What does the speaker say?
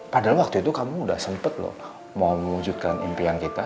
padahal waktu itu kamu udah sempet loh mau mewujudkan impian kita